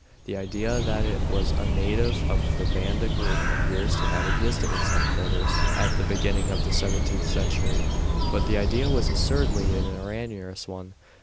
The idea that it was a native of the Banda Group appears to have existed in some quarters at the beginning of the seventeenth century, but the idea was assuredly an erroneous one.